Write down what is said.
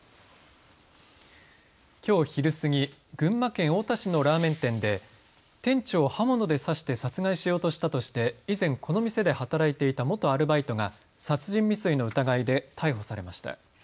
きょう昼過ぎ、群馬県太田市のラーメン店で店長を刃物で刺して殺害しようとしたとして以前、この店で働いていた元アルバイトが殺人未遂の疑いで逮捕されました。